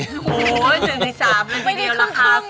๑ใน๓ไม่ได้ราคาตั้ง